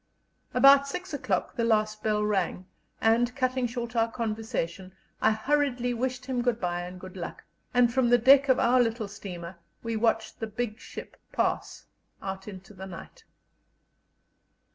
About six o'clock the last bell rang, and, cutting short our conversation, I hurriedly wished him good bye and good luck, and from the deck of our little steamer we watched the big ship pass out into the night.